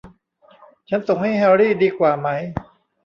ฉันส่งให้แฮรี่ดีกว่าไหม ?